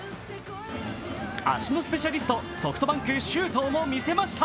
足のスペシャリスト、ソフトバンク・周東も見せました。